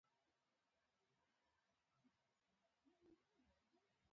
شېبه وروسته څو تنه قوماندانان ورغلل.